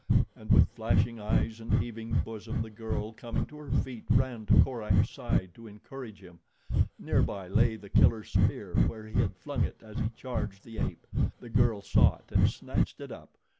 And with flashing eyes and heaving bosom the girl, coming to her feet, ran to Korak's side to encourage him. Nearby lay The Killer's spear, where he had flung it as he charged the ape. The girl saw it and snatched it up.